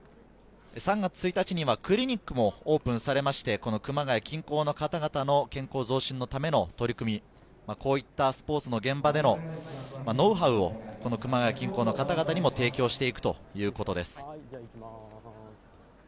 ３月１日にはクリニックもオープンされまして、熊谷近郊の方々の健康増進のための取り組み、こういったスポーツの現場でのノウハウを熊谷近郊の方々にも提供していくということです。